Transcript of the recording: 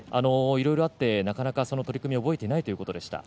いろいろあって、なかなか取組を覚えていないということでした。